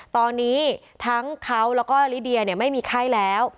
ตอนนี้ทั้งเขาแล้วก็ลิเดียไม่มีไข้แล้ว